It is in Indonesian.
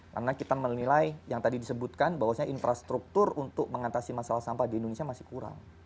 karena kita menilai yang tadi disebutkan bahwasannya infrastruktur untuk mengatasi masalah sampah di indonesia masih kurang